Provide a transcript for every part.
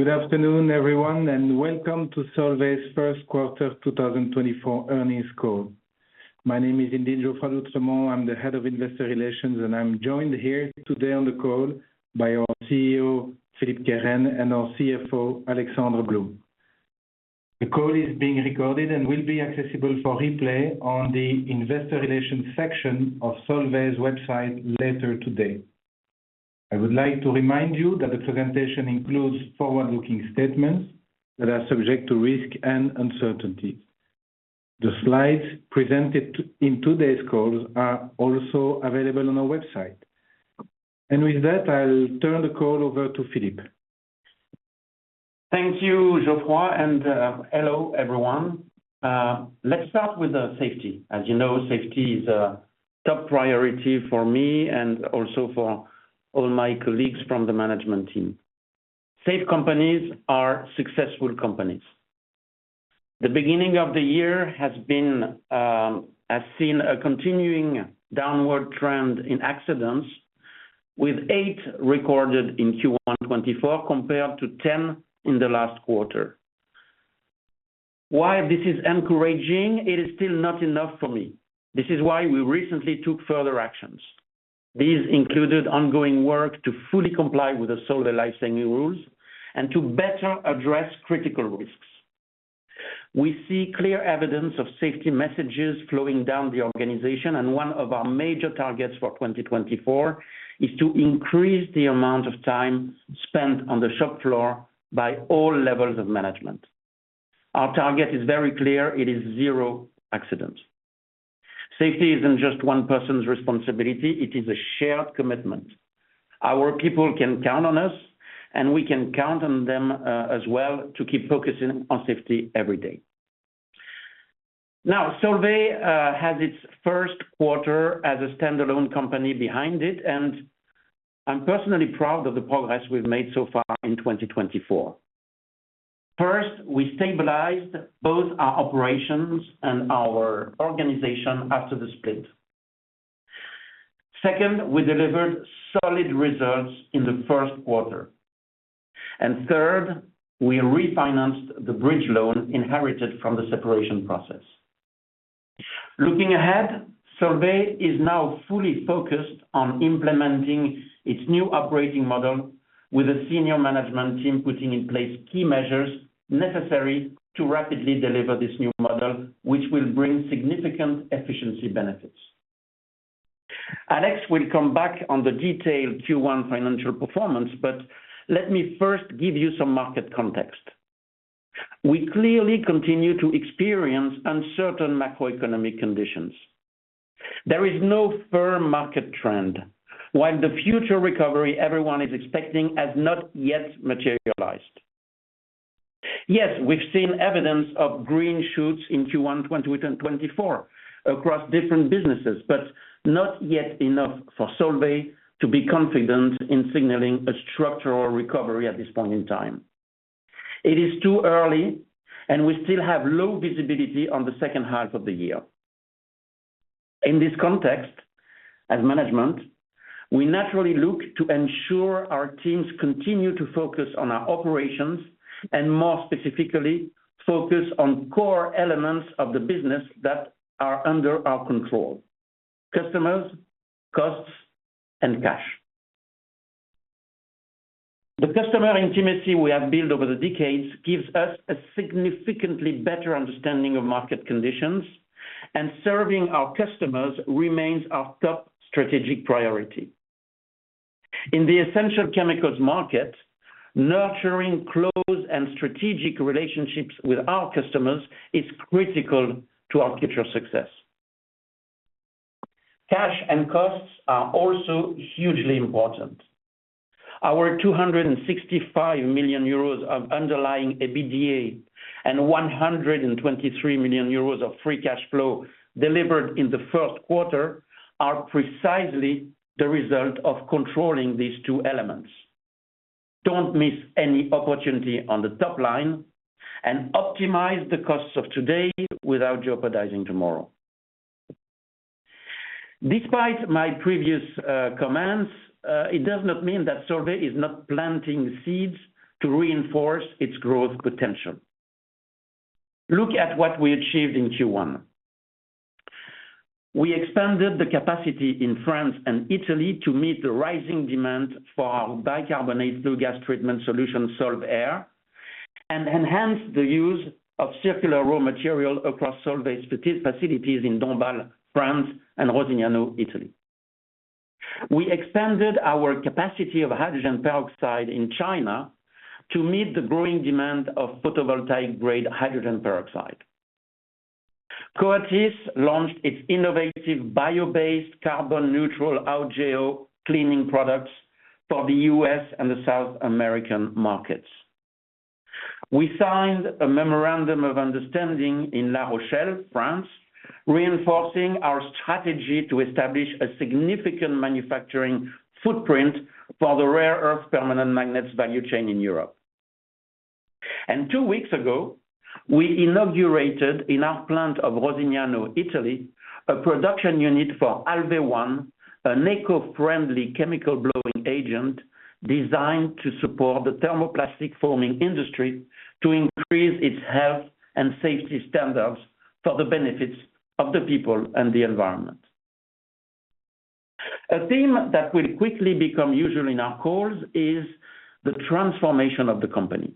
Good afternoon, everyone, and welcome to Solvay's Q1 2024 Earnings Call. My name is indeed Geoffroy d'Oultremont, I'm the Head of Investor Relations, and I'm joined here today on the call by our CEO, Philippe Kehren, and our CFO, Alexandre Blum. The call is being recorded and will be accessible for replay on the investor relations section of Solvay's website later today. I would like to remind you that the presentation includes forward-looking statements that are subject to risk and uncertainty. The slides presented in today's call are also available on our website. With that, I'll turn the call over to Philippe. Thank you, Geoffroy, and hello, everyone. Let's start with safety. As you know, safety is a top priority for me and also for all my colleagues from the management team. Safe companies are successful companies. The beginning of the year has seen a continuing downward trend in accidents, with eight recorded in Q1 2024, compared to 10 in the last quarter. While this is encouraging, it is still not enough for me. This is why we recently took further actions. These included ongoing work to fully comply with the Solvay life-saving rules and to better address critical risks. We see clear evidence of safety messages flowing down the organization, and one of our major targets for 2024 is to increase the amount of time spent on the shop floor by all levels of management. Our target is very clear: it is zero accidents. Safety isn't just one person's responsibility, it is a shared commitment. Our people can count on us, and we can count on them, as well, to keep focusing on safety every day. Now, Solvay has its Q1 as a standalone company behind it, and I'm personally proud of the progress we've made so far in 2024. First, we stabilized both our operations and our organization after the split. Second, we delivered solid results in the Q1. And third, we refinanced the bridge loan inherited from the separation process. Looking ahead, Solvay is now fully focused on implementing its new operating model with a senior management team, putting in place key measures necessary to rapidly deliver this new model, which will bring significant efficiency benefits. Alex will come back on the detailed Q1 financial performance, but let me first give you some market context. We clearly continue to experience uncertain macroeconomic conditions. There is no firm market trend, while the future recovery everyone is expecting has not yet materialized. Yes, we've seen evidence of green shoots in Q1 2024 across different businesses, but not yet enough for Solvay to be confident in signaling a structural recovery at this point in time. It is too early, and we still have low visibility on the second half of the year. In this context, as management, we naturally look to ensure our teams continue to focus on our operations, and more specifically, focus on core elements of the business that are under our control: customers, costs, and cash. The customer intimacy we have built over the decades gives us a significantly better understanding of market conditions, and serving our customers remains our top strategic priority. In the essential chemicals market, nurturing close and strategic relationships with our customers is critical to our future success. Cash and costs are also hugely important. Our 265 million euros of underlying EBITDA and 123 million euros of free cash flow delivered in the Q1 are precisely the result of controlling these two elements. Don't miss any opportunity on the top line and optimize the costs of today without jeopardizing tomorrow. Despite my previous comments, it does not mean that Solvay is not planting seeds to reinforce its growth potential. Look at what we achieved in Q1. We expanded the capacity in France and Italy to meet the rising demand for our bicarbonate flue gas treatment solution, SOLVAir, and enhanced the use of circular raw material across Solvay's Coatis facilities in Dombasle, France, and Rosignano, Italy. We expanded our capacity of hydrogen peroxide in China to meet the growing demand of photovoltaic-grade hydrogen peroxide. Coatis launched its innovative bio-based, carbon-neutral Augeo cleaning products for the US and the South American markets. We signed a memorandum of understanding in La Rochelle, France, reinforcing our strategy to establish a significant manufacturing footprint for the rare earth permanent magnets value chain in Europe. Two weeks ago, we inaugurated in our plant of Rosignano, Italy, a production unit for Alve-One, an eco-friendly chemical blowing agent designed to support the thermoplastic forming industry to increase its health and safety standards for the benefits of the people and the environment. A theme that will quickly become usual in our calls is the transformation of the company.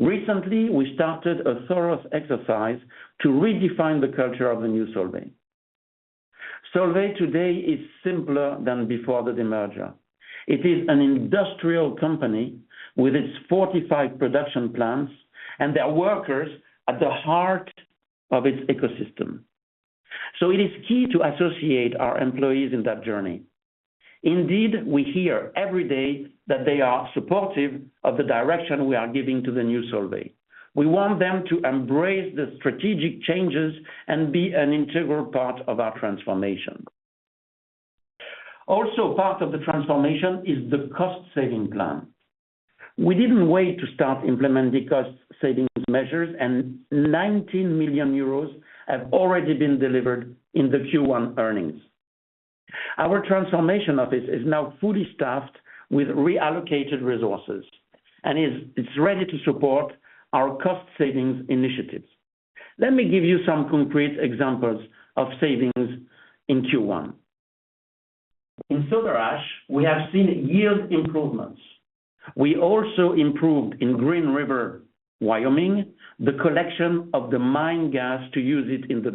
Recently, we started a thorough exercise to redefine the culture of the new Solvay. Solvay today is simpler than before the demerger. It is an industrial company with its 45 production plants and their workers at the heart of its ecosystem, so it is key to associate our employees in that journey. Indeed, we hear every day that they are supportive of the direction we are giving to the new Solvay. We want them to embrace the strategic changes and be an integral part of our transformation. Also part of the transformation is the cost-saving plan. We didn't wait to start implementing cost savings measures, and 19 million euros have already been delivered in the Q1 earnings. Our transformation office is now fully staffed with reallocated resources, and it's ready to support our cost savings initiatives. Let me give you some concrete examples of savings in Q1. In soda ash, we have seen yield improvements. We also improved in Green River, Wyoming, the collection of the mine gas to use it in the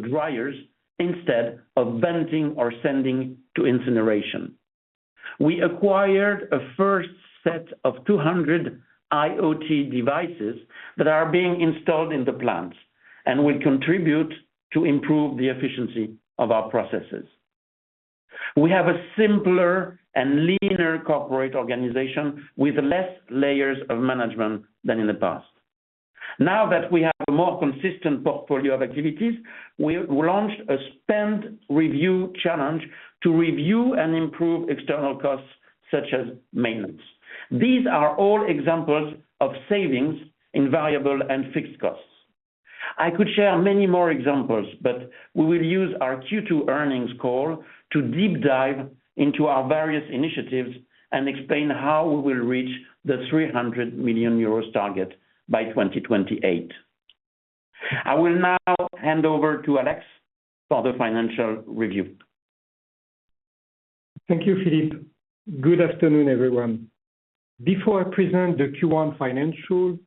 dryers instead of venting or sending to incineration. We acquired a first set of 200 IoT devices that are being installed in the plants and will contribute to improve the efficiency of our processes. We have a simpler and leaner corporate organization with less layers of management than in the past. Now that we have a more consistent portfolio of activities, we launched a spend review challenge to review and improve external costs, such as maintenance. These are all examples of savings in variable and fixed costs. I could share many more examples, but we will use our Q2 earnings call to deep dive into our various initiatives and explain how we will reach the 300 million euros target by 2028. I will now hand over to Alex for the financial review. Thank you, Philippe. Good afternoon, everyone. Before I present the Q1 financials,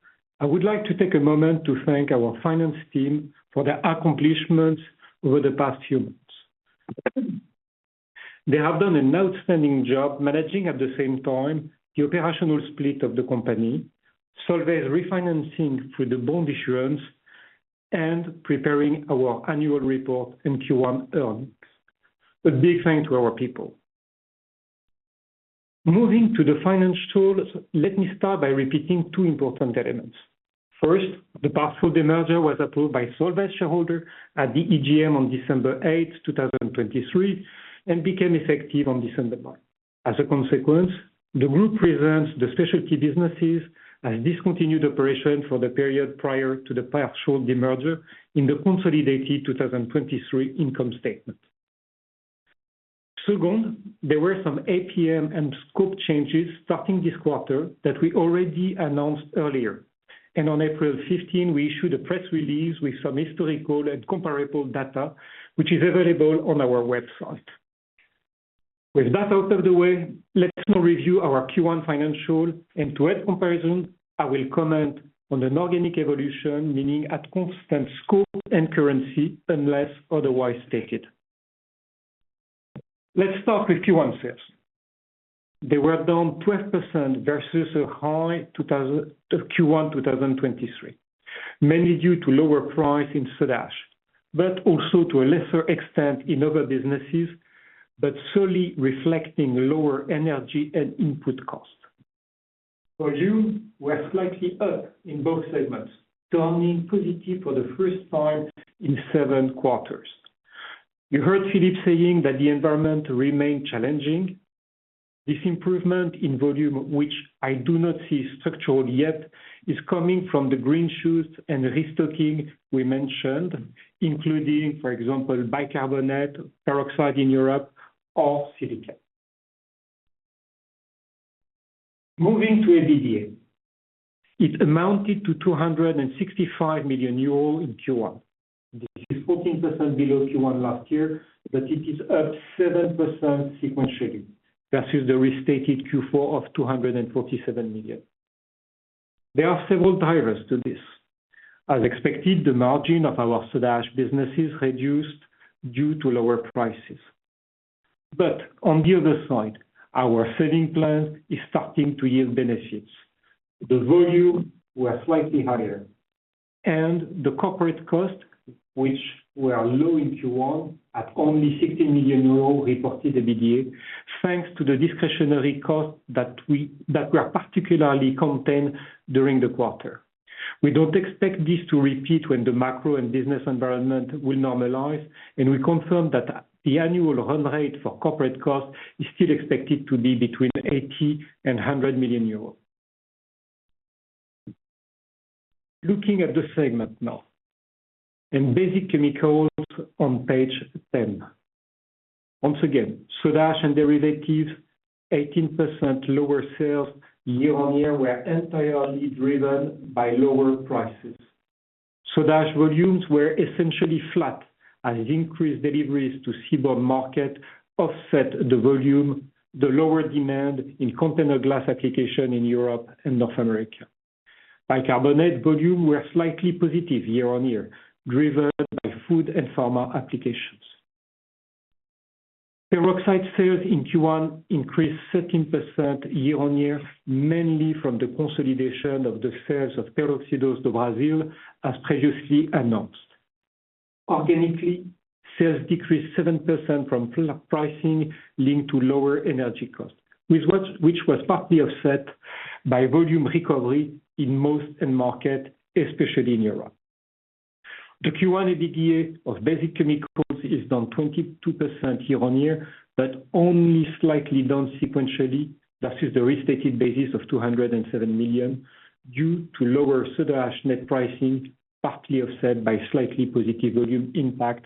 I would like to take a moment to thank our finance team for their accomplishments over the past few months. They have done an outstanding job managing, at the same time, the operational split of the company, Solvay's refinancing through the bond issuance, and preparing our annual report in Q1 earnings. A big thanks to our people. Moving to the financials, let me start by repeating two important elements. First, the partial demerger was approved by Solvay shareholders at the EGM on 8 December 2023, and became effective on 1 December. As a consequence, the group presents the specialty businesses as discontinued operations for the period prior to the partial demerger in the consolidated 2023 income statement. Second, there were some APM and scope changes starting this quarter that we already announced earlier, and on 15 April, we issued a press release with some historical and comparable data, which is available on our website. With that out of the way, let's now review our Q1 financials. To add comparison, I will comment on the organic evolution, meaning at constant scope and currency, unless otherwise stated. Let's start with Q1 sales. They were down 12% versus Q1 2023, mainly due to lower price in soda ash, but also to a lesser extent in other businesses, but solely reflecting lower energy and input costs. Volumes were slightly up in both segments, turning positive for the first time in seven quarters. You heard Philippe saying that the environment remained challenging. This improvement in volume, which I do not see structural yet, is coming from the green shoots and restocking we mentioned, including, for example, bicarbonate, peroxide in Europe, or silica. Moving to EBITDA, it amounted to 265 million euros in Q1. This is 14% below Q1 last year, but it is up 7% sequentially versus the restated Q4 of 247 million. There are several drivers to this. As expected, the margin of our soda ash business is reduced due to lower prices. But on the other side, our saving plan is starting to yield benefits. The volume were slightly higher, and the corporate costs, which were low in Q1, at only 60 million euros reported EBITDA, thanks to the discretionary costs that were particularly contained during the quarter. We don't expect this to repeat when the macro and business environment will normalize, and we confirm that the annual run rate for corporate costs is still expected to be between 80 and 100 million. Looking at the segment now, in Basic Chemicals on page 10. Once again, soda ash and derivatives, 18% lower sales year-on-year were entirely driven by lower prices. Soda ash volumes were essentially flat, as increased deliveries to seaborne market offset the volume, the lower demand in container glass application in Europe and North America. Bicarbonate volume were slightly positive year-on-year, driven by food and pharma applications. Peroxide sales in Q1 increased 13% year-on-year, mainly from the consolidation of the sales of Peróxidos do Brasil, as previously announced. Organically, sales decreased 7% from full pricing linked to lower energy costs, which was partly offset by volume recovery in most end market, especially in Europe. The Q1 EBITDA of Basic Chemicals is down 22% year-on-year, but only slightly down sequentially. That is the restated basis of 207 million due to lower soda ash net pricing, partly offset by slightly positive volume impact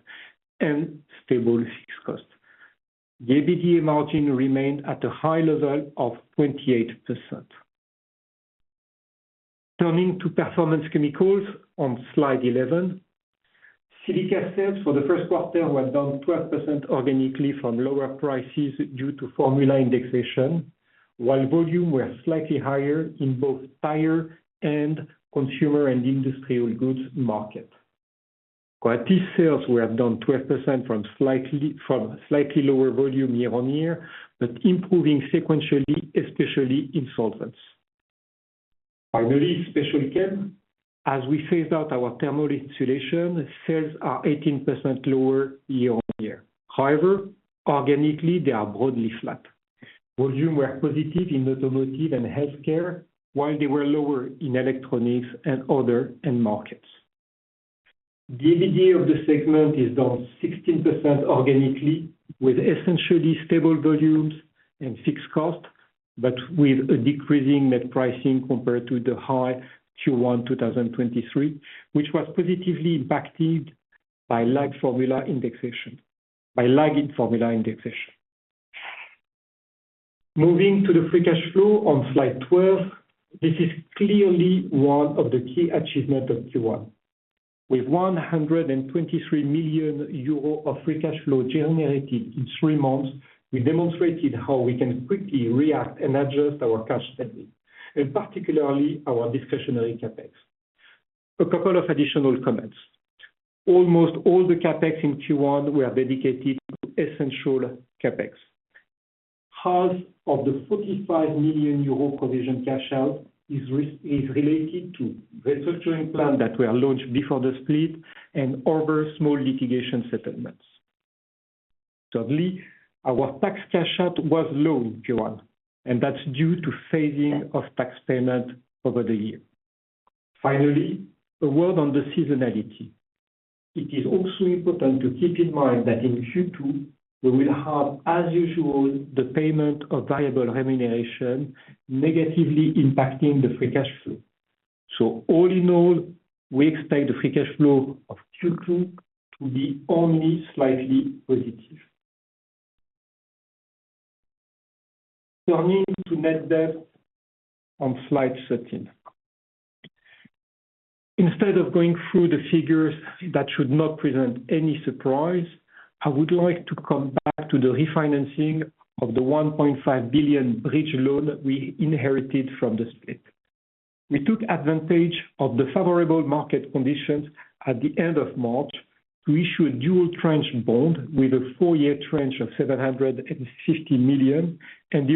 and stable fixed costs. The EBITDA margin remained at a high level of 28%. Turning to Performance Chemicals on slide 11. Silica sales for the Q1 were down 12% organically from lower prices due to formula indexation, while volume were slightly higher in both tire and consumer and industrial goods market. Coatis sales were down 12% from slightly lower volume year-on-year, but improving sequentially, especially in solvents. Finally, Special Chem. As we phased out our thermal insulation, sales are 18% lower year-on-year. However, organically, they are broadly flat. Volume were positive in automotive and healthcare, while they were lower in electronics and other end markets. EBITDA of the segment is down 16% organically, with essentially stable volumes and fixed costs, but with a decreasing net pricing compared to the high Q1 2023, which was positively impacted by lag formula indexation, by lagging formula indexation. Moving to the free cash flow on slide 12, this is clearly one of the key achievement of Q1. With 123 million euro of free cash flow generated in three months, we demonstrated how we can quickly react and adjust our cash spending, and particularly our discretionary CapEx. A couple of additional comments. Almost all the CapEx in Q1 were dedicated to essential CapEx. Half of the 45 million euro provision cash out is is related to restructuring plan that were launched before the split and other small litigation settlements. Thirdly, our tax cash out was low in Q1, and that's due to phasing of tax payment over the year. Finally, a word on the seasonality. It is also important to keep in mind that in Q2, we will have, as usual, the payment of variable remuneration negatively impacting the free cash flow. So all in all, we expect the free cash flow of Q2 to be only slightly positive. Turning to net debt on slide 13. Instead of going through the figures that should not present any surprise, I would like to come back to the refinancing of the 1.5 billion bridge loan we inherited from the split. We took advantage of the favorable market conditions at the end of March to issue a dual tranche bond with a 4-year tranche of 750 million and the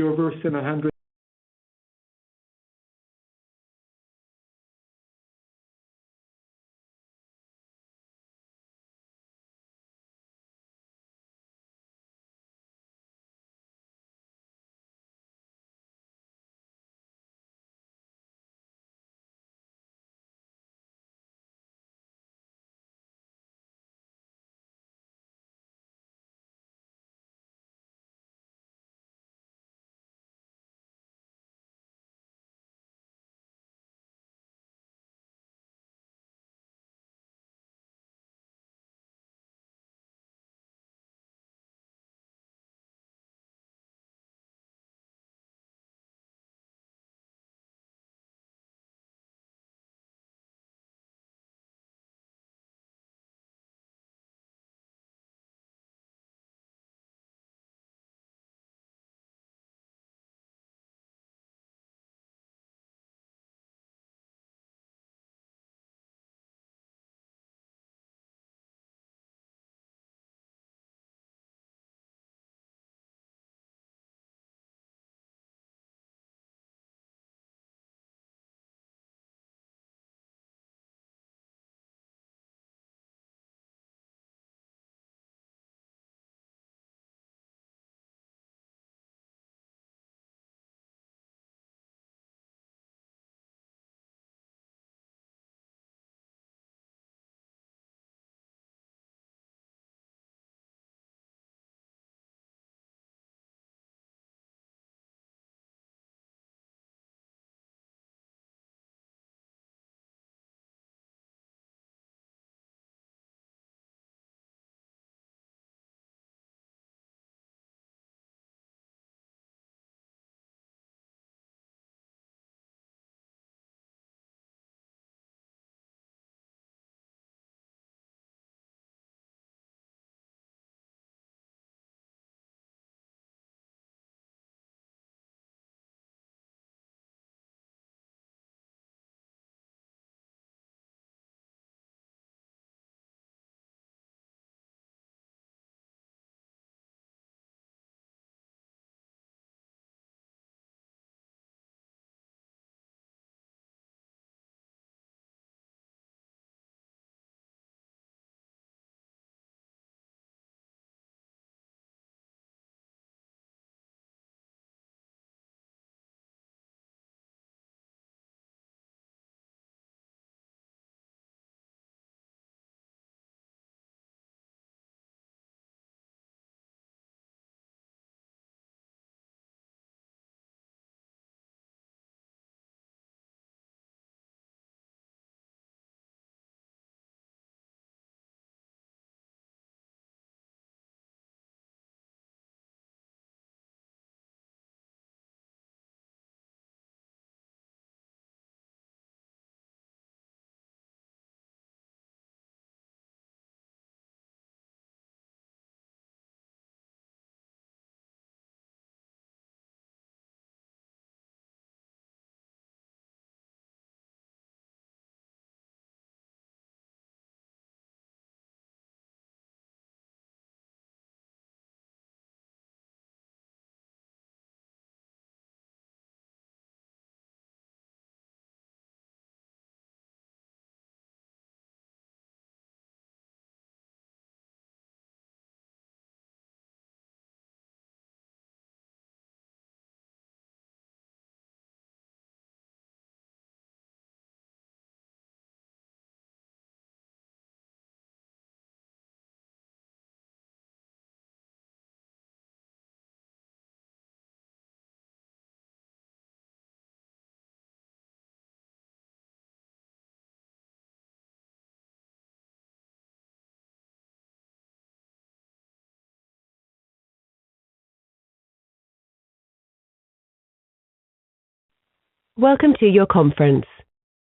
other 700...[missing audio]...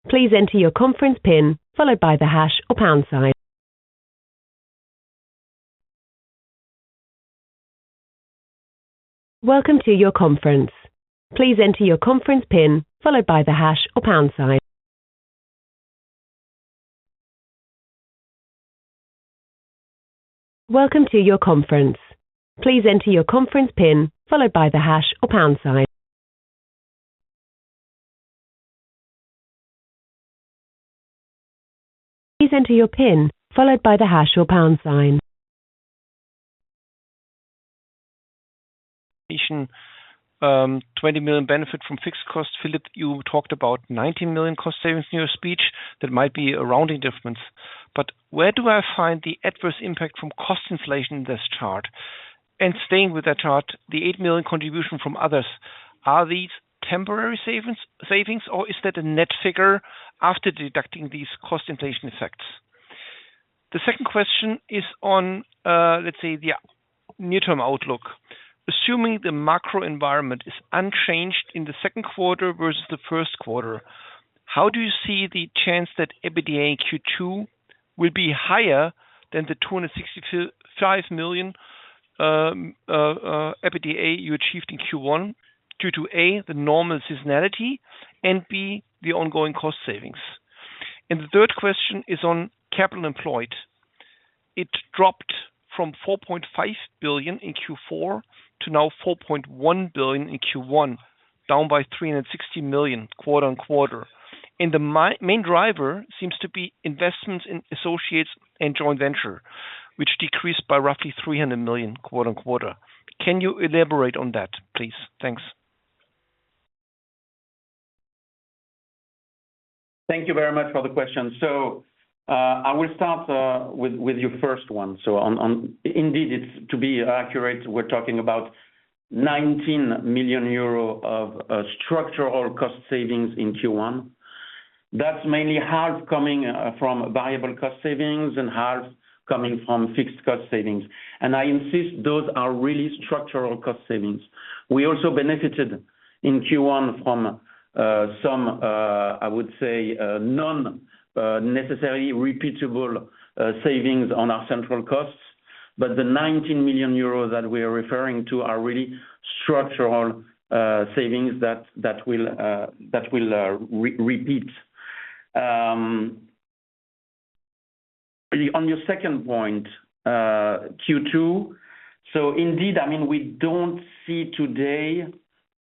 Twenty million benefit from fixed costs. Philippe, you talked about 19 million cost savings in your speech. That might be a rounding difference, but where do I find the adverse impact from cost inflation in this chart? And staying with that chart, the 8 million contribution from others, are these temporary savings, savings, or is that a net figure after deducting these cost inflation effects? The second question is on, let's say, the near-term outlook. Assuming the macro environment is unchanged in the Q2 versus the Q1, how do you see the chance that EBITDA in Q2 will be higher than the 265 million EBITDA you achieved in Q1, due to, A, the normal seasonality, and B, the ongoing cost savings? And the third question is on capital employed. It dropped from 4.5 billion in Q4 to now 4.1 billion in Q1, down by 360 million quarter-over-quarter. And the main driver seems to be investments in associates and joint venture, which decreased by roughly 300 million quarter-over-quarter. Can you elaborate on that, please? Thanks. Thank you very much for the question. So I will start with your first one. So indeed, it's to be accurate, we're talking about 19 million euro of structural cost savings in Q1. That's mainly half coming from variable cost savings and half coming from fixed cost savings. And I insist those are really structural cost savings. We also benefited in Q1 from some I would say non necessarily repeatable savings on our central costs, but the 19 million euros that we are referring to are really structural savings that will repeat. On your second point, Q2. So indeed, I mean, we don't see today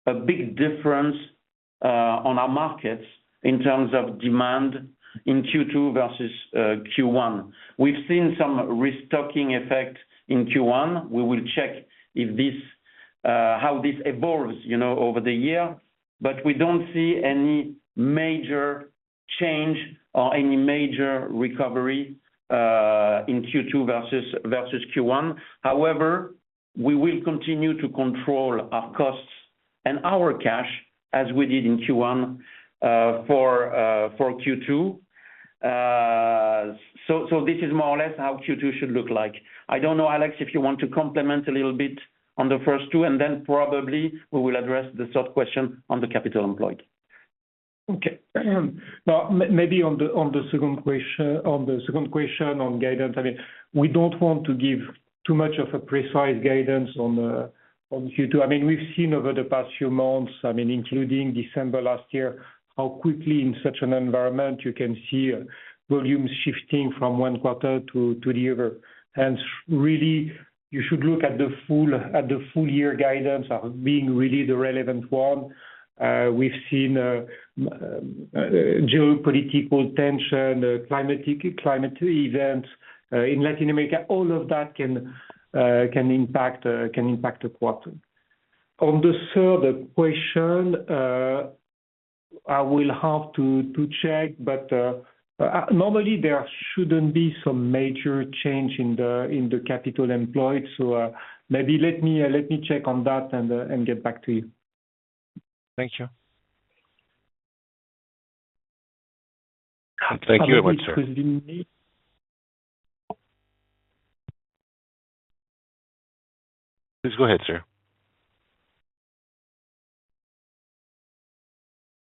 a big difference on our markets in terms of demand in Q2 versus Q1. We've seen some restocking effect in Q1. We will check if this, how this evolves, you know, over the year. But we don't see any major change or any major recovery in Q2 versus Q1. However, we will continue to control our costs and our cash as we did in Q1 for Q2. So this is more or less how Q2 should look like. I don't know, Alex, if you want to complement a little bit on the first two, and then probably we will address the third question on the capital employed. Okay. Now, maybe on the second question on guidance, I mean, we don't want to give too much of a precise guidance on Q2. I mean, we've seen over the past few months, I mean, including December last year, how quickly in such an environment you can see volumes shifting from one quarter to the other. And really, you should look at the full year guidance as being really the relevant one. We've seen geopolitical tension, climate events in Latin America. All of that can impact the quarter. On the third question, I will have to check, but normally there shouldn't be some major change in the capital employed, so maybe let me check on that and get back to you. Thank you. Thank you very much, sir. Please go ahead, sir.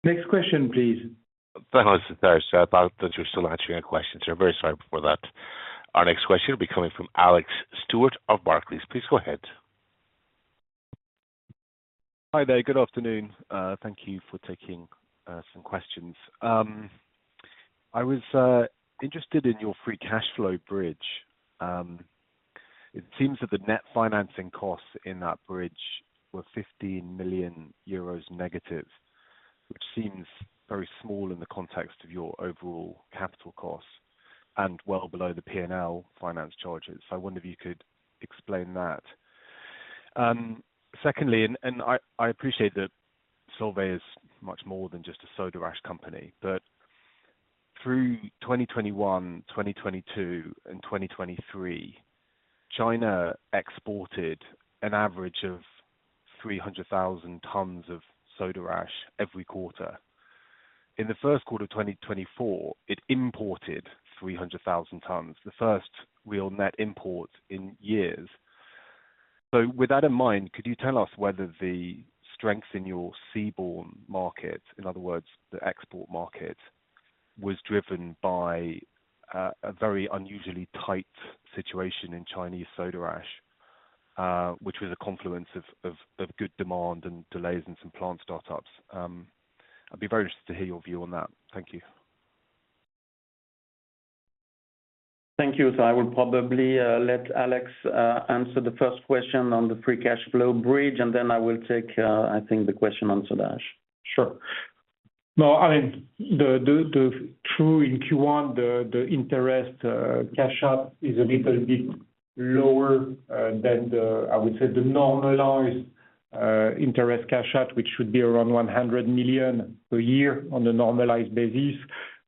Next question, please. Sorry about that. You're still not hearing questions. We're very sorry for that. Our next question will be coming from Alex Stewart of Barclays. Please go ahead. Hi there. Good afternoon. Thank you for taking some questions. I was interested in your free cash flow bridge. It seems that the net financing costs in that bridge were negative 15 million euros, which seems very small in the context of your overall capital costs and well below the P&L finance charges. So I wonder if you could explain that. Secondly, I appreciate that Solvay is much more than just a soda ash company, but through 2021, 2022 and 2023, China exported an average of 300,000 tons of soda ash every quarter. In the Q1 of 2024, it imported 300,000 tons, the first real net import in years. So with that in mind, could you tell us whether the strength in your seaborne market, in other words, the export market, was driven by a very unusually tight situation in Chinese soda ash, which was a confluence of good demand and delays in some plant startups? I'd be very interested to hear your view on that. Thank you. Thank you. So I will probably let Alex answer the first question on the free cash flow bridge, and then I will take, I think, the question on soda ash. Sure. No, I mean, the true in Q1, the interest cash out is a little bit lower than, I would say, the normalized interest cash out, which should be around 100 million per year on a normalized basis.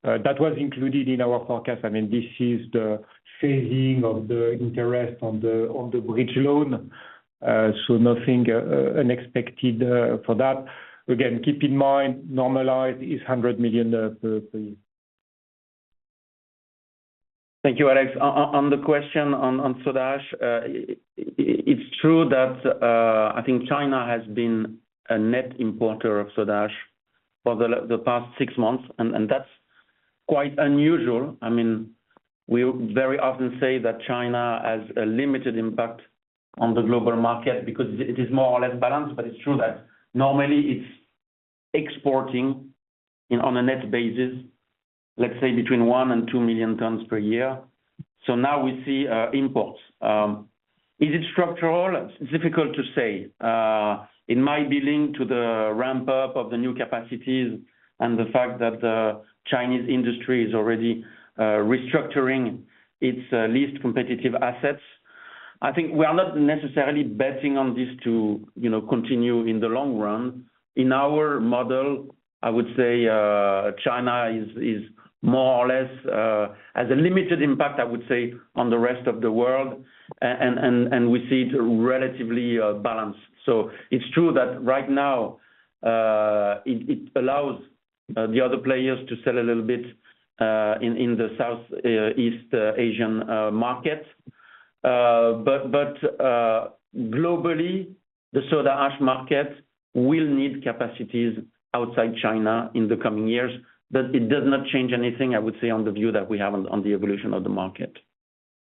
That was included in our forecast. I mean, this is the phasing of the interest on the bridge loan, so nothing unexpected for that. Again, keep in mind, normalized is 100 million per year. Thank you, Alex. On the question on soda ash, it's true that I think China has been a net importer of soda ash for the past six months, and that's quite unusual. I mean, we very often say that China has a limited impact on the global market because it is more or less balanced. But it's true that normally it's exporting on a net basis, let's say between 1 and 2 million tons per year. So now we see imports. Is it structural? It's difficult to say. It might be linked to the ramp up of the new capacities and the fact that the Chinese industry is already restructuring its least competitive assets. I think we are not necessarily betting on this to, you know, continue in the long run. In our model, I would say, China is more or less has a limited impact, I would say, on the rest of the world, and we see it relatively balanced. So it's true that right now, it allows the other players to sell a little bit in the Southeast Asian market. But globally, the soda ash market will need capacities outside China in the coming years. But it does not change anything, I would say, on the view that we have on the evolution of the market.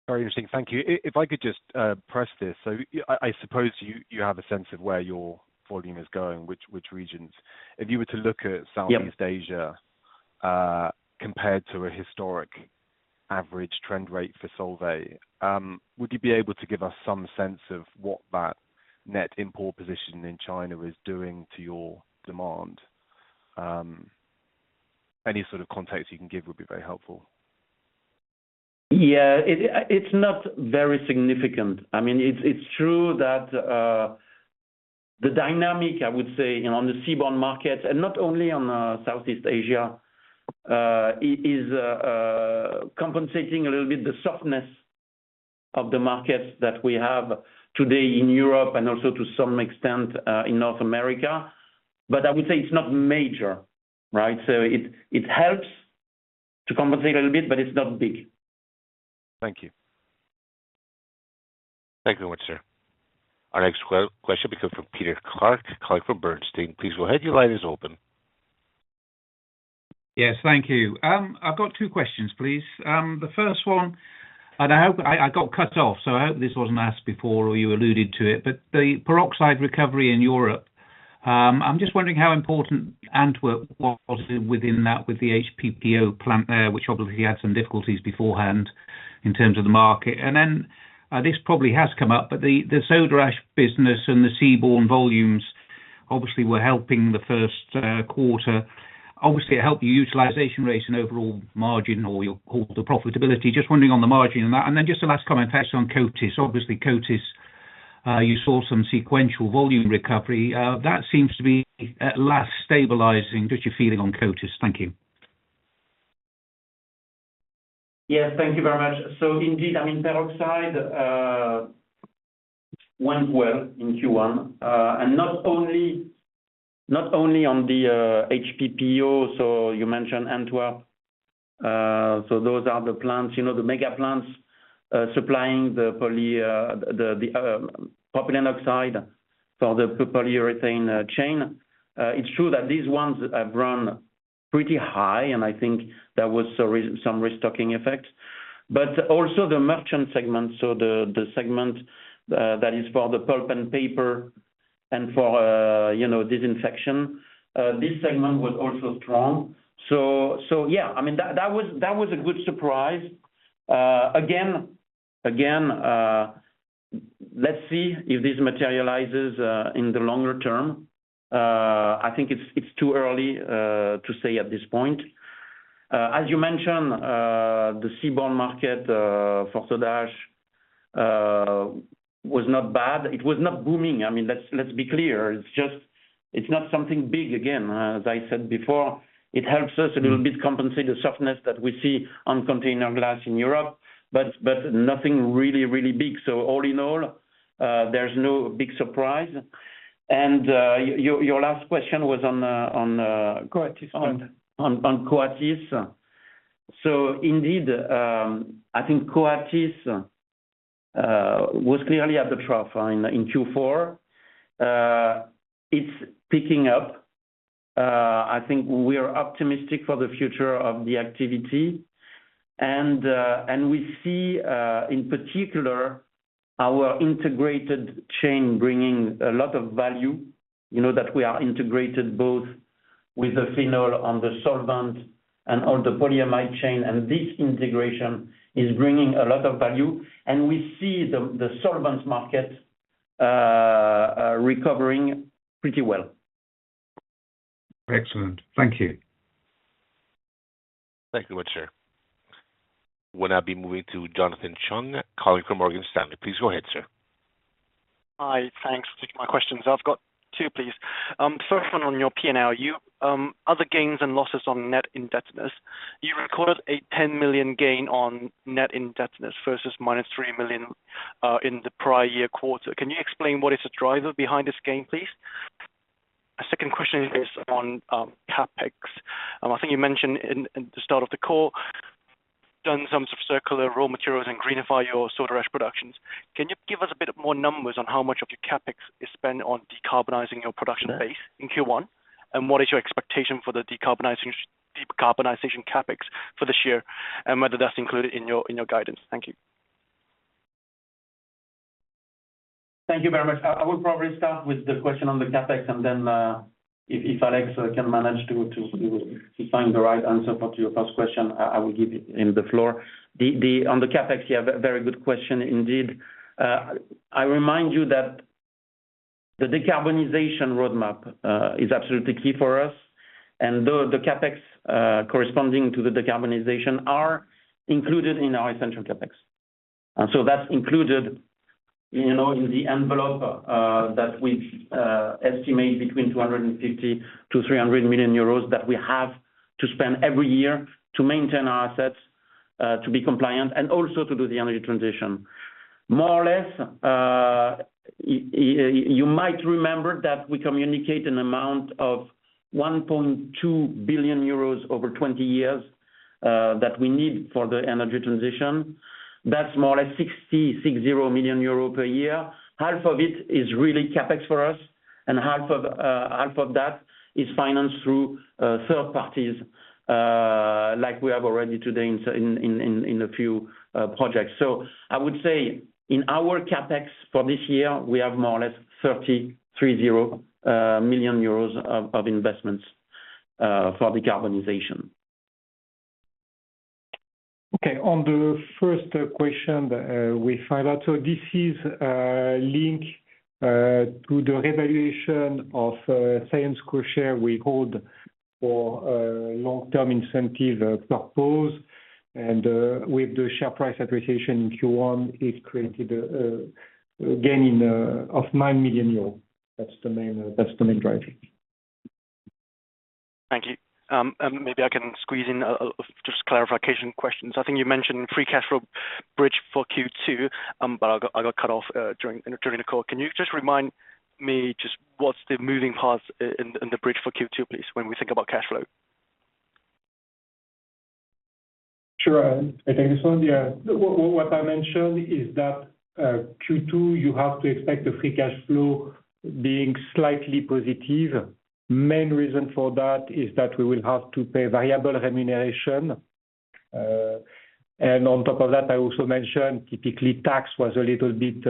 Very interesting. Thank you. If I could just press this. So I suppose you have a sense of where your volume is going, which regions. If you were to look at Southeast Asia, compared to a historical average trend rate for Solvay. Would you be able to give us some sense of what that net import position in China is doing to your demand? Any sort of context you can give would be very helpful. Yeah, it, it's not very significant. I mean, it's, it's true that, the dynamic, I would say, on the seaborne market and not only on, Southeast Asia, is, compensating a little bit the softness of the markets that we have today in Europe and also to some extent, in North America. But I would say it's not major, right? So it, it helps to compensate a little bit, but it's not big. Thank you. Thank you very much, sir. Our next question will be from Peter Clark, calling from Bernstein. Please go ahead, your line is open. Yes, thank you. I've got two questions, please. The first one, and I hope—I, I got cut off, so I hope this wasn't asked before or you alluded to it, but the peroxide recovery in Europe. I'm just wondering how important Antwerp was within that, with the HPPO plant there, which obviously had some difficulties beforehand in terms of the market. And then, this probably has come up, but the, the soda ash business and the seaborne volumes obviously were helping the Q1. Obviously, it helped your utilization rate and overall margin or your—the profitability. Just wondering on the margin on that. And then just a last comment, actually, on Coatis. Obviously, Coatis, you saw some sequential volume recovery. That seems to be, at last, stabilizing. Just your feeling on Coatis. Thank you. Yes, thank you very much. So indeed, I mean, peroxide went well in Q1, and not only, not only on the HPPO, so you mentioned Antwerp. So those are the plants, you know, the mega plants supplying the poly, the propylene oxide, so the polyurethane chain. It's true that these ones have run pretty high, and I think there was some restocking effect. But also the merchant segment, so the segment that is for the pulp and paper and for, you know, disinfection, this segment was also strong. So, yeah, I mean, that was a good surprise. Again, let's see if this materializes in the longer term. I think it's too early to say at this point. As you mentioned, the seaborne market for soda ash was not bad. It was not booming. I mean, let's, let's be clear. It's just, it's not something big. Again, as I said before, it helps us a little bit compensate the softness that we see on container glass in Europe, but, but nothing really, really big. So all in all, there's no big surprise. And, your, your last question was on, on, Coatis. Coatis. So indeed, I think Coatis was clearly at the trough in Q4. It's picking up. I think we are optimistic for the future of the activity, and we see, in particular, our integrated chain bringing a lot of value, you know, that we are integrated both with the phenol on the solvent and on the polyamide chain, and this integration is bringing a lot of value. And we see the solvents market recovering pretty well. Excellent. Thank you. Thank you much, sir. We'll now be moving to Jonathan Chung, calling from Morgan Stanley. Please go ahead, sir. Hi, thanks for taking my questions. I've got two, please. First one on your P&L. You other gains and losses on net indebtedness, you recorded a 10 million gain on net indebtedness versus -3 million in the prior year quarter. Can you explain what is the driver behind this gain, please? A second question is on CapEx. I think you mentioned in the start of the call, done some circular raw materials and greenify your soda ash productions. Can you give us a bit more numbers on how much of your CapEx is spent on decarbonizing your production base in Q1? And what is your expectation for the decarbonization CapEx for this year, and whether that's included in your guidance. Thank you. Thank you very much. I will probably start with the question on the CapEx, and then, if Alex can manage to find the right answer for your first question, I will give him the floor. On the CapEx, yeah, very good question indeed. I remind you that the decarbonization roadmap is absolutely key for us, and the CapEx corresponding to the decarbonization are included in our essential CapEx. And so that's included, you know, in the envelope that we've estimated between 250 to 300 million that we have to spend every year to maintain our assets, to be compliant, and also to do the energy transition. More or less, you might remember that we communicate an amount of 1.2 billion euros over 20 years, that we need for the energy transition. That's more or less 60 million euro per year. Half of it is really CapEx for us, and half of that is financed through third parties, like we have already today in a few projects. So I would say in our CapEx for this year, we have more or less 30 million euros of investments for the decarbonization. Okay, on the first question that we find out, so this is linked to the revaluation of Syensqo share we hold for long-term incentive purpose. With the share price appreciation in Q1, it created a gain of 9 million euro. That's the main, that's the main driver. Thank you. And maybe I can squeeze in a just clarification question. So I think you mentioned free cash flow bridge for Q2, but I got cut off during the call. Can you just remind me just what's the moving parts in the bridge for Q2, please, when we think about cash flow? Sure. I take this one. Yeah. What I mentioned is that Q2, you have to expect the free cash flow being slightly positive. Main reason for that is that we will have to pay variable remuneration. And on top of that, I also mentioned typically, tax was a little bit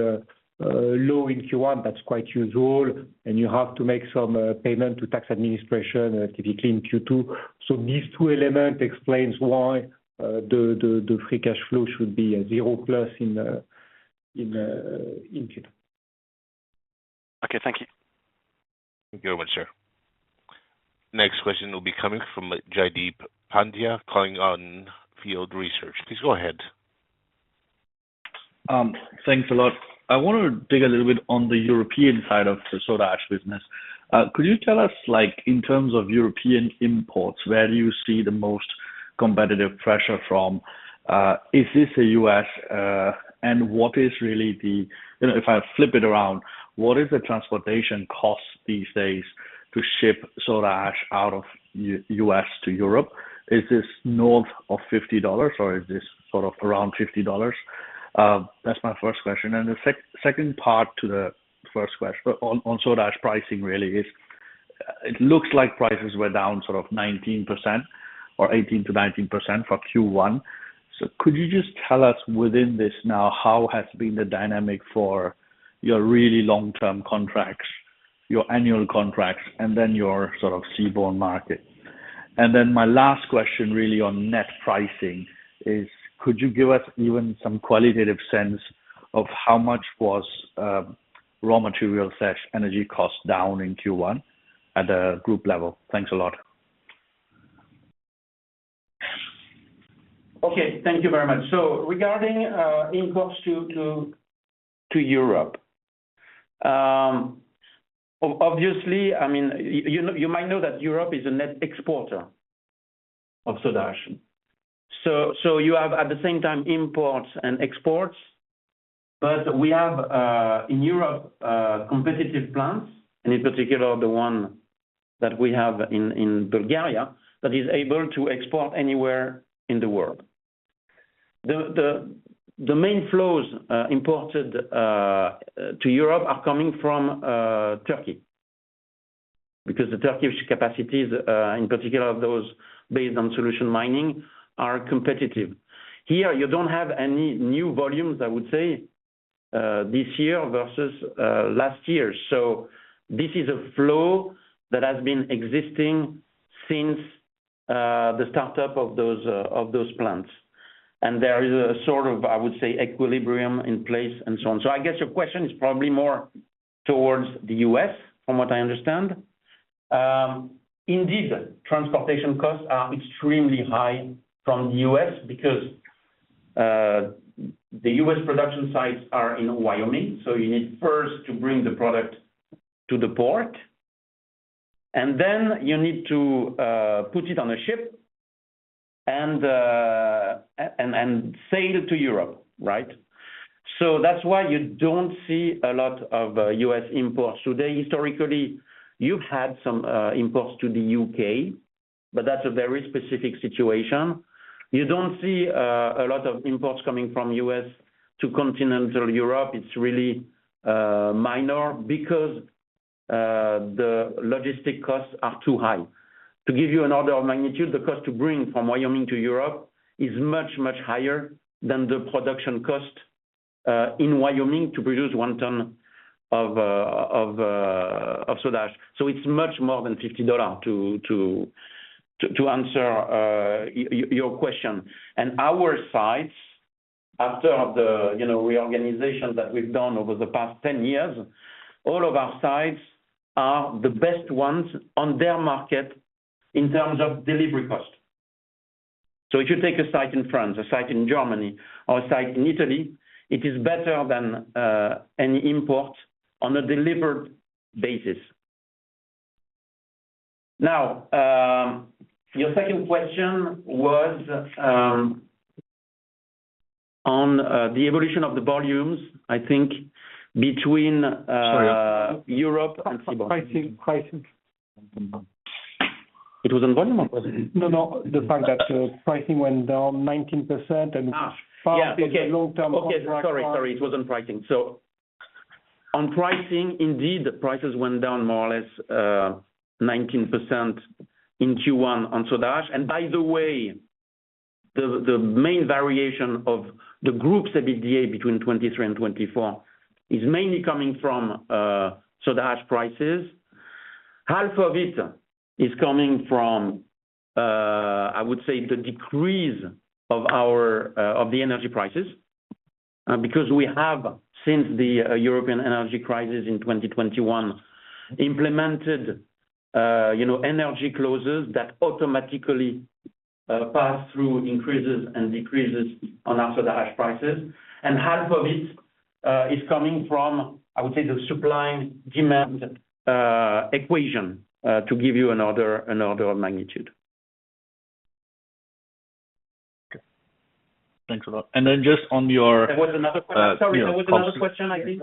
low in Q1. That's quite usual, and you have to make some payment to tax administration, typically in Q2. So these two element explains why the free cash flow should be a zero plus in Q2. Okay, thank you. Thank you very much, sir. Next question will be coming from Jaideep Pandya, calling from Onfield Research. Please go ahead. Thanks a lot. I want to dig a little bit on the European side of the soda ash business. Could you tell us, like, in terms of European imports, where do you see the most competitive pressure from? Is this the US? And what is really the... You know, if I flip it around, what is the transportation cost these days to ship soda ash out of US to Europe? Is this north of $50, or is this sort of around $50? That's my first question. And the second part to the first question, on soda ash pricing really is, it looks like prices were down sort of 19% or 18% to 19% for Q1. So could you just tell us within this now, how has been the dynamic for your really long-term contracts, your annual contracts, and then your sort of seaborne market? And then my last question, really on net pricing is, could you give us even some qualitative sense of how much was raw material/energy cost down in Q1 at a group level? Thanks a lot. Okay, thank you very much. So regarding imports to Europe. Obviously, I mean, you know, you might know that Europe is a net exporter of soda ash. So you have, at the same time, imports and exports, but we have in Europe competitive plants, and in particular, the one that we have in Bulgaria, that is able to export anywhere in the world. The main flows imported to Europe are coming from Turkey, because the Turkish capacities in particular, those based on solution mining, are competitive. Here, you don't have any new volumes, I would say, this year versus last year. So this is a flow that has been existing since the start-up of those plants. There is a sort of, I would say, equilibrium in place and so on. So I guess your question is probably more towards the US, from what I understand. Indeed, transportation costs are extremely high from the US because the US production sites are in Wyoming, so you need first to bring the product to the port, and then you need to put it on a ship and sail it to Europe, right? So that's why you don't see a lot of US imports. Today, historically, you've had some imports to the UK, but that's a very specific situation. You don't see a lot of imports coming from US to continental Europe. It's really minor because the logistic costs are too high. To give you an order of magnitude, the cost to bring from Wyoming to Europe is much, much higher than the production cost in Wyoming to produce 1 ton of soda ash. So it's much more than $50 to answer your question. And our sites, after the, you know, reorganization that we've done over the past 10 years, all of our sites are the best ones on their market in terms of delivery cost. So if you take a site in France, a site in Germany, or a site in Italy, it is better than any import on a delivered basis. Now, your second question was on the evolution of the volumes, I think, between, [inaudible] No, no, the fact that, pricing went down 19% and part of the long-term contract- Okay, sorry, sorry, it was on pricing. So on pricing, indeed, prices went down more or less 19% in Q1 on soda ash. And by the way... The main variation of the group's EBITDA between 2023 and 2024 is mainly coming from soda ash prices. Half of it is coming from, I would say, the decrease of our energy prices, because we have, since the European energy crisis in 2021, implemented, you know, energy clauses that automatically pass through increases and decreases on our soda ash prices. And half of it is coming from, I would say, the supply and demand equation, to give you another magnitude. Thanks a lot. And then just on your- There was another question. Sorry, there was another question, I think.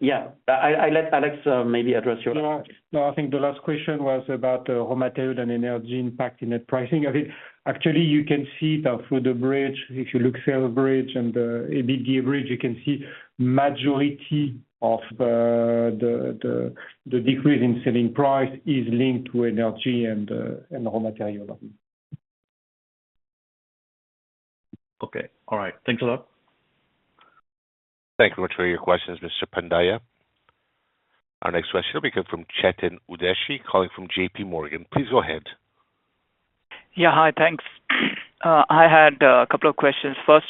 Yeah. I let Alex, maybe address your- No, I think the last question was about raw material and energy impact in net pricing. I think actually you can see it now through the bridge. If you look sales bridge and the EBITDA bridge, you can see majority of the decrease in selling price is linked to energy and raw material. Okay, all right. Thanks a lot. Thank you much for your questions, Mr. Pandya. Our next question will come from Chetan Udeshi, calling from J.P. Morgan. Please go ahead. Yeah, hi. Thanks. I had a couple of questions. First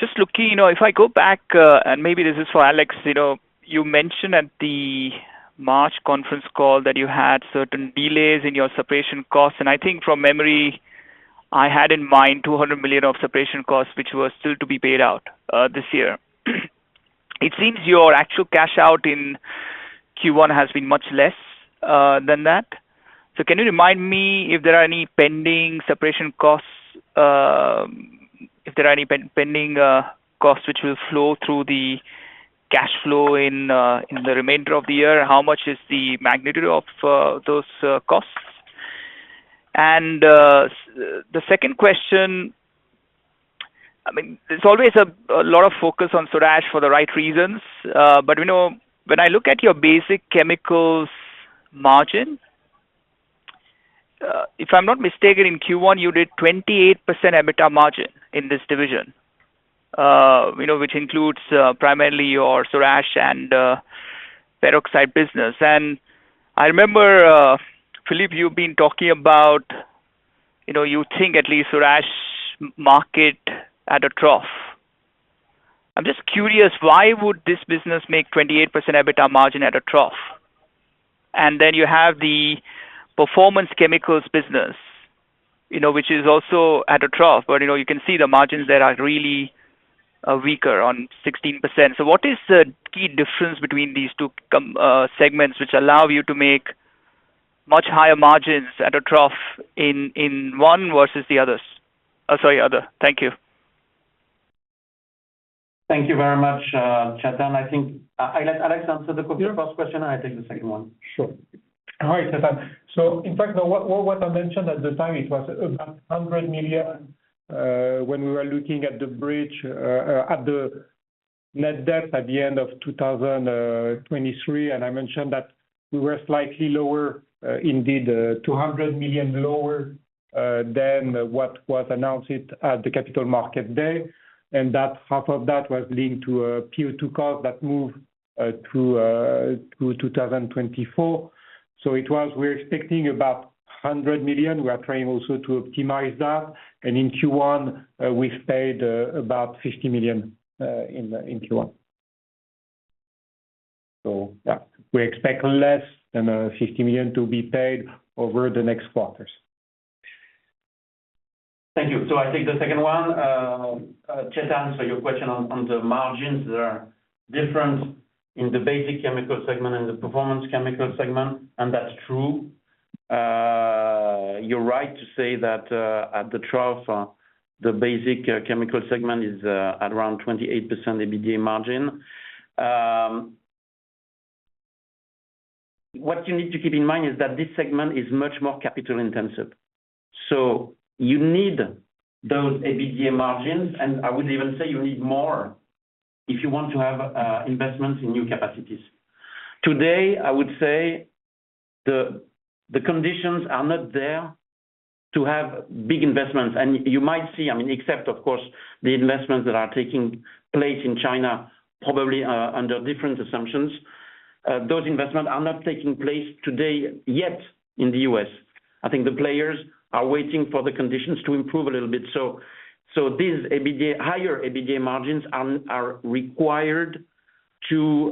one, just looking, you know, if I go back, and maybe this is for Alex, you know, you mentioned at the March conference call that you had certain delays in your separation costs. I think from memory, I had in mind 200 million of separation costs, which were still to be paid out this year. It seems your actual cash out in Q1 has been much less than that. So can you remind me if there are any pending separation costs. If there are any pending costs which will flow through the cash flow in the remainder of the year, and how much is the magnitude of those costs? The second question, I mean, there's always a lot of focus on soda ash for the right reasons. But, you know, when I look at your basic chemicals margin, if I'm not mistaken, in Q1, you did 28% EBITDA margin in this division, you know, which includes, primarily your soda ash and peroxide business. And I remember, Philippe, you've been talking about, you know, you think at least soda ash market at a trough. I'm just curious, why would this business make 28% EBITDA margin at a trough? And then you have the performance chemicals business, you know, which is also at a trough, but, you know, you can see the margins there are really weaker, on 16%. So what is the key difference between these two segments, which allow you to make much higher margins at a trough in one versus the others? Oh, sorry, other. Thank you. Thank you very much, Chetan. I think I let Alex answer the first question, I take the second one. Sure. All right, Chetan. So in fact, what I mentioned at the time, it was about 100 million when we were looking at the bridge at the net debt at the end of 2023. And I mentioned that we were slightly lower, indeed, 200 million lower than what was announced at the Capital Market Day. And that, half of that was linked to a Q2 cost that moved to 2024. So it was, we're expecting about 100 million. We are trying also to optimize that. And in Q1, we paid about 50 million in Q1. So yeah, we expect less than 50 million to be paid over the next quarters. Thank you. So I take the second one. Chetan, so your question on, on the margins, there are difference in the Basic Chemicals segment and the Performance Chemicals segment, and that's true. You're right to say that, at the trough, the Basic Chemicals segment is, at around 28% EBITDA margin. What you need to keep in mind is that this segment is much more capital intensive. So you need those EBITDA margins, and I would even say you need more, if you want to have investments in new capacities. Today, I would say the conditions are not there to have big investments. And you might see, I mean, except of course, the investments that are taking place in China, probably, under different assumptions. Those investments are not taking place today, yet, in the US. I think the players are waiting for the conditions to improve a little bit. So these EBITDA, higher EBITDA margins are required to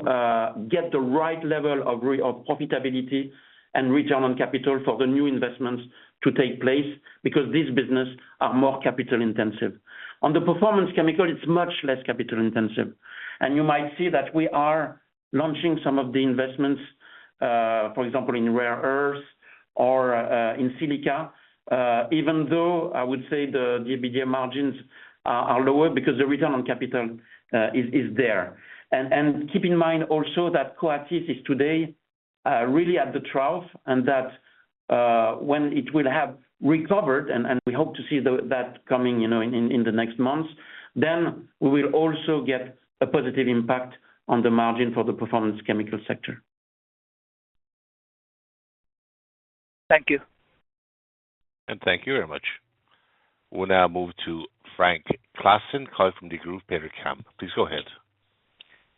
get the right level of profitability and return on capital for the new investments to take place, because these business are more capital intensive. On the performance chemical, it's much less capital intensive. And you might see that we are launching some of the investments, for example, in Rare Earths or in Silica, even though I would say the EBITDA margins are lower, because the return on capital is there. Keep in mind also that Coatis is today really at the trough, and that when it will have recovered, and we hope to see that coming, you know, in the next months, then we will also get a positive impact on the margin for the performance chemical sector. Thank you. Thank you very much. We'll now move to Frank Claassen calling from Degroof Petercam. Please go ahead.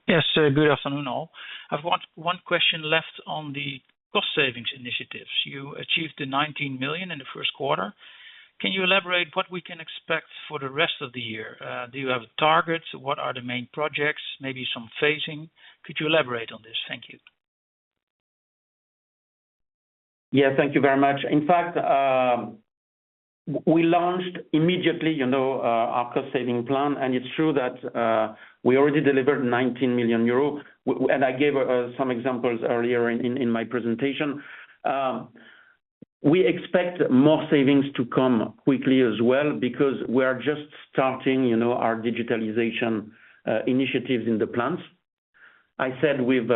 Yes, sir, good afternoon all. I've one question left on the cost savings initiatives. You achieved the 19 million in the Q1. Can you elaborate what we can expect for the rest of the year? Do you have targets? What are the main projects? Maybe some phasing. Could you elaborate on this? Thank you. Yeah, thank you very much. In fact, we launched immediately, you know, our cost saving plan, and it's true that, we already delivered 19 million euro. And I gave some examples earlier in my presentation. We expect more savings to come quickly as well, because we are just starting, you know, our digitalization initiatives in the plants. I said we've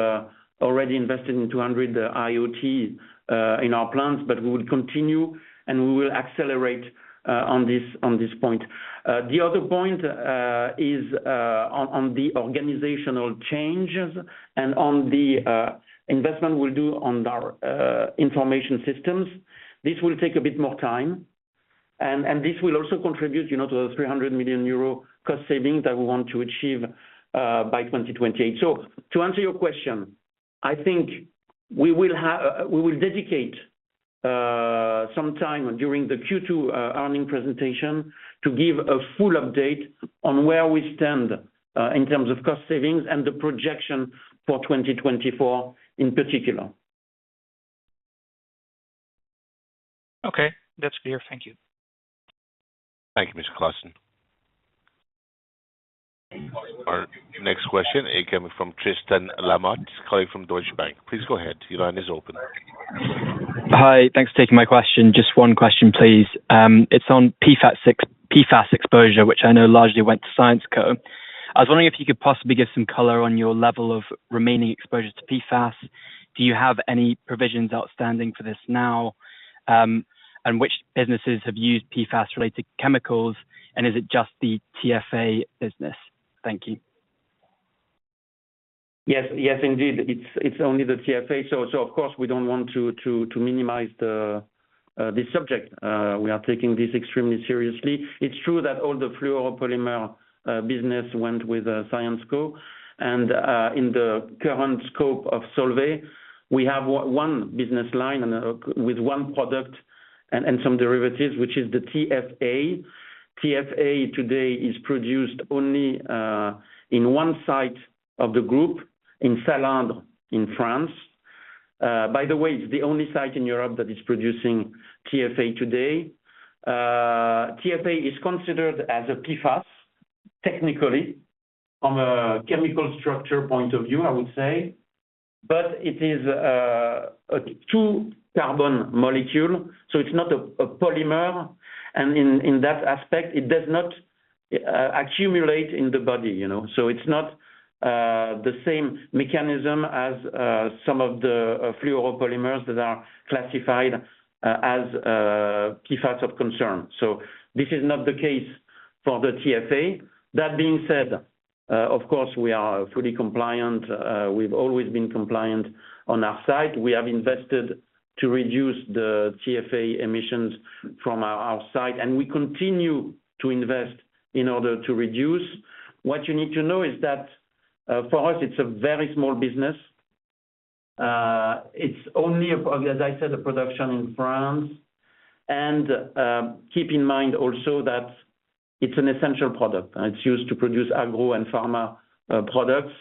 already invested in 200 IoT in our plants, but we will continue, and we will accelerate on this point. The other point is on the organizational changes and on the investment we'll do on our information systems. This will take a bit more time, and this will also contribute, you know, to the 300 million euro cost savings that we want to achieve by 2028. So to answer your question, we will dedicate some time during the Q2 earnings presentation to give a full update on where we stand in terms of cost savings and the projection for 2024, in particular. Okay, that's clear. Thank you. Thank you, Mr. Claassen. Our next question is coming from Tristan Lamotte, calling from Deutsche Bank. Please go ahead. Your line is open. Hi, thanks for taking my question. Just one question, please. It's on PFAS exposure, which I know largely went to Syensqo I was wondering if you could possibly give some color on your level of remaining exposure to PFAS. Do you have any provisions outstanding for this now? And which businesses have used PFAS related chemicals, and is it just the TFA business? Thank you. Yes. Yes, indeed, it's, it's only the TFA. So, so of course, we don't want to, to, to minimize the, the subject. We are taking this extremely seriously. It's true that all the fluoropolymer business went with Syensqo And, in the current scope of Solvay, we have one business line and, with one product and, and some derivatives, which is the TFA. TFA today is produced only, in one site of the group, in Sallanches, in France. By the way, it's the only site in Europe that is producing TFA today. TFA is considered as a PFAS, technically, from a chemical structure point of view, I would say. But it is, a two carbon molecule, so it's not a, a polymer, and in, in that aspect, it does not, accumulate in the body, you know? So it's not the same mechanism as some of the fluoropolymers that are classified as PFAS of concern. So this is not the case for the TFA. That being said, of course, we are fully compliant. We've always been compliant on our side. We have invested to reduce the TFA emissions from our outside, and we continue to invest in order to reduce. What you need to know is that for us, it's a very small business. It's only, as I said, a production in France. And keep in mind also that it's an essential product, and it's used to produce agro and pharma products.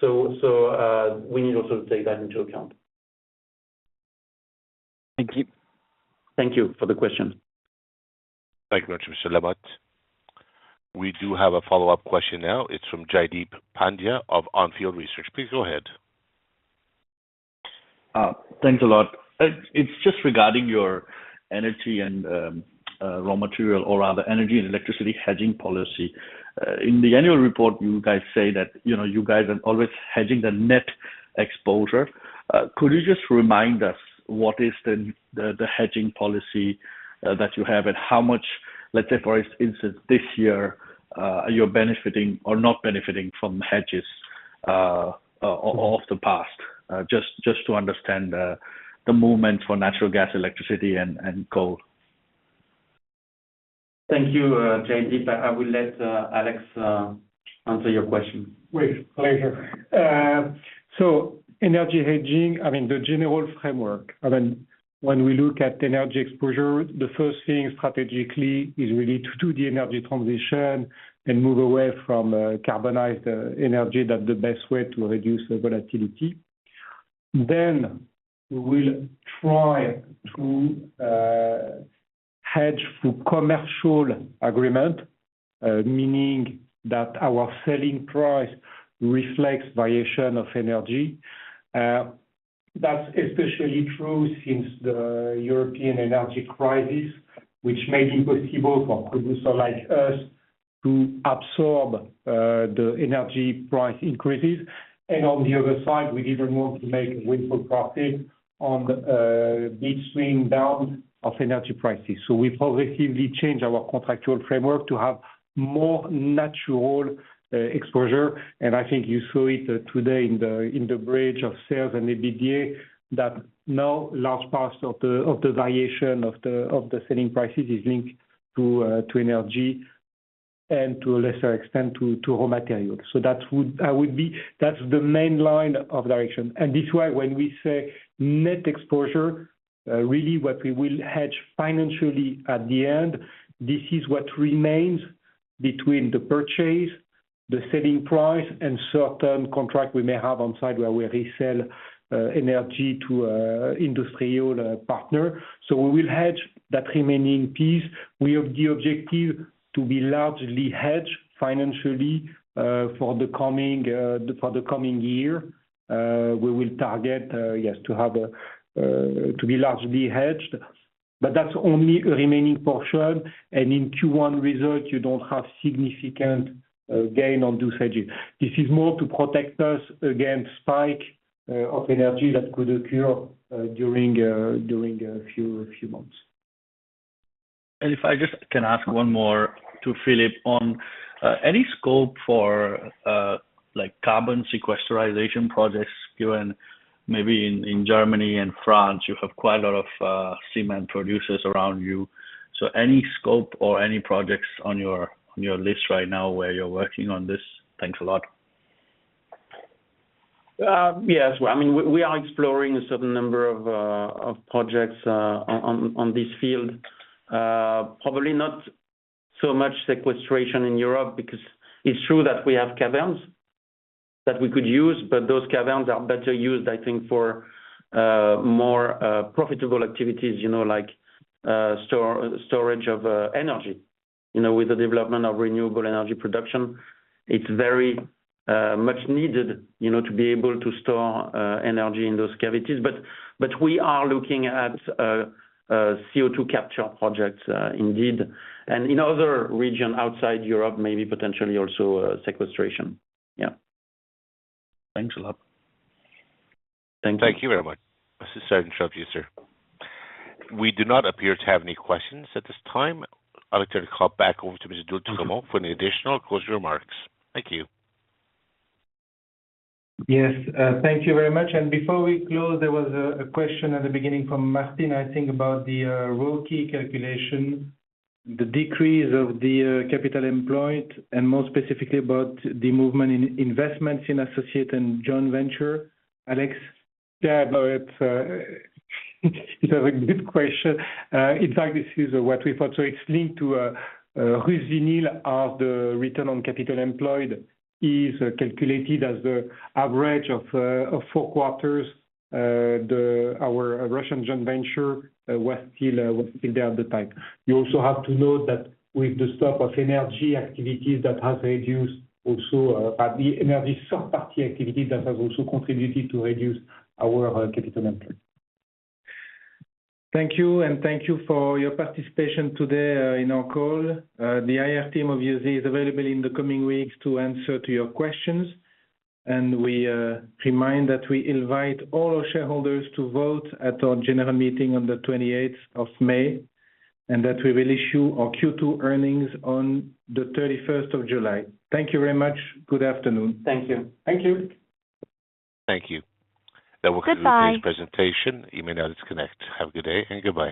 So we need also to take that into account. Thank you. Thank you for the question. Thank you very much, Mr. Lamotte. We do have a follow-up question now. It's from Jaideep Pandya of Onfield Research. Please go ahead. Thanks a lot. It's just regarding your energy and raw material or rather, energy and electricity hedging policy. In the annual report, you guys say that, you know, you guys are always hedging the net exposure. Could you just remind us what is the hedging policy that you have? And how much, let's say, for instance, this year, you're benefiting or not benefiting from hedges of the past? Just to understand the movement for natural gas, electricity and coal. Thank you, Jaideep. I will let Alex answer your question. With pleasure. So energy hedging, I mean, the general framework. I mean, when we look at energy exposure, the first thing strategically is really to do the energy transition and move away from carbonized energy. That's the best way to reduce the volatility. Then we will try to hedge through commercial agreement, meaning that our selling price reflects variation of energy. That's especially true since the European energy crisis, which made it possible for producers like us to absorb the energy price increases, and on the other side, we didn't want to make a windfall profit on midstream downturn of energy prices. So we progressively changed our contractual framework to have more natural exposure, and I think you saw it today in the bridge of sales and EBITDA, that now large parts of the variation of the selling prices is linked to energy, and to a lesser extent to raw materials. So that would be. That's the main line of direction. And this why when we say net exposure, really what we will hedge financially at the end, this is what remains between the purchase, the selling price, and certain contract we may have on site where we resell energy to an industrial partner. So we will hedge that remaining piece. We have the objective to be largely hedged financially for the coming year. We will target, yes, to have to be largely hedged, but that's only remaining portion, and in Q1 results, you don't have significant gain on those hedges. This is more to protect us against spike of energy that could occur during a few months. If I just can ask one more to Philippe, on any scope for like carbon sequestration projects, given maybe in Germany and France, you have quite a lot of cement producers around you. So any scope or any projects on your list right now where you're working on this? Thanks a lot. Yes. Well, I mean, we are exploring a certain number of projects on this field. Probably not so much sequestration in Europe, because it's true that we have caverns that we could use, but those caverns are better used, I think, for more profitable activities, you know, like storage of energy. You know, with the development of renewable energy production, it's very much needed, you know, to be able to store energy in those cavities. But we are looking at CO2 capture projects, indeed, and in other region outside Europe, maybe potentially also sequestration. Yeah. Thanks a lot. Thank you. Thank you very much. Sorry to interrupt you, sir. We do not appear to have any questions at this time. I'd like to call back over to Mr. d'Oultremont for any additional closing remarks. Thank you. Yes, thank you very much, and before we close, there was a question at the beginning from Martin, I think, about the ROCE calculation, the decrease of the capital employed, and more specifically about the movement in investments in associate and joint venture. Alex? Yeah, but it's a good question. In fact, this is what we thought. So it's linked to RusVinyl of the return on capital employed is calculated as the average of four quarters. Our Russian joint venture was still there at the time. You also have to note that with the stop of energy activities, that has reduced also at the energy third-party activity, that has also contributed to reduce our capital employed. Thank you, and thank you for your participation today in our call. The IR team of Solvay is available in the coming weeks to answer your questions, and we remind that we invite all our shareholders to vote at our general meeting on the 28 May, and that we will issue our Q2 earnings on the 31 of July. Thank you very much. Good afternoon. Thank you. Thank you. Goodbye. That will conclude today's presentation. You may now disconnect. Have a good day, and goodbye.